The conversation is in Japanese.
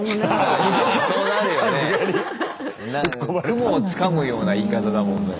雲をつかむような言い方だもんね。